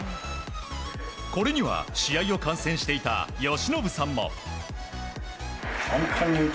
これには試合を観戦していた由伸さんも。